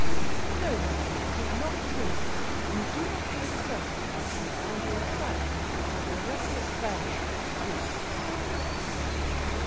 "No, mamma, it is not true. You do not know the circumstances, and you assert things which are directly at variance with the truth."